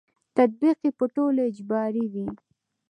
تطبیق یې په ټولو اجباري وي.